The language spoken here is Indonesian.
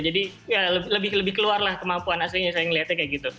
jadi lebih keluar lah kemampuan aslinya saya melihatnya kayak gitu